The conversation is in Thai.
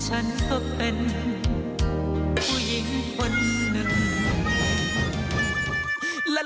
ฉันก็เป็นผู้หญิงคนหนึ่ง